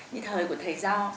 như thời của thầy do